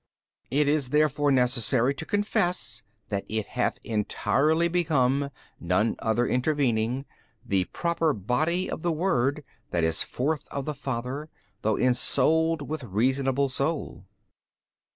B. It is therefore necessary to confess that it hath entirely become (none other intervening) the Proper Body of the Word that is forth of the Father, though ensouled with reasonable soul.